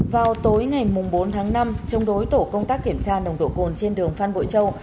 vào tối ngày bốn tháng năm chống đối tổ công tác kiểm tra nồng độ cồn trên đường phan bội châu